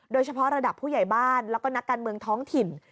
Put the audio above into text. โดยเฉพาะระดับผู้ใหญ่บ้านแล้วก็นักการเมืองท้องถิ่น